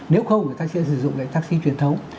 nếu không thì taxi sẽ sử dụng lại taxi truyền thống